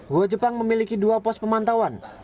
goa jepang memiliki dua pos pemantauan